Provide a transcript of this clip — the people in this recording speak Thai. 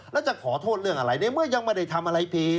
แล้วจะขอโทษเรื่องอะไรในเมื่อยังไม่ได้ทำอะไรผิด